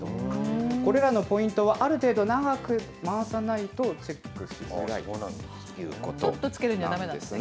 これらのポイントは、ある程度長く回さないとチェックしづらいということなんですね。